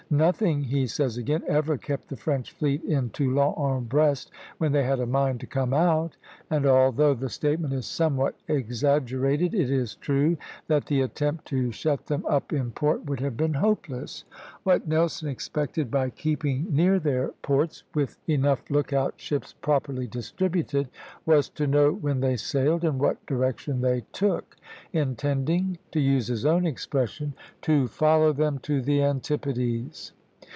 "Nothing," he says again, "ever kept the French fleet in Toulon or Brest when they had a mind to come out;" and although the statement is somewhat exaggerated, it is true that the attempt to shut them up in port would have been hopeless. What Nelson expected by keeping near their ports, with enough lookout ships properly distributed, was to know when they sailed and what direction they took, intending, to use his own expression, to "follow them to the antipodes."